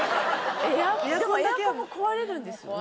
でもエアコンも壊れるんですよね？